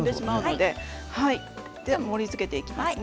で、盛りつけていきますね。